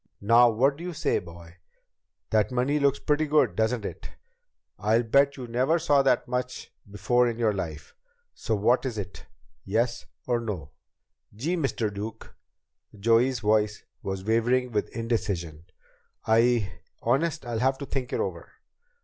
Now what do you say, boy? That money looks pretty good, doesn't it? I'll bet you never saw that much before in your life. So what is it? Yes or no?" "Gee, Mr. Duke!" Joey's voice was wavering with indecision. "I Honest, I'll have to think it over."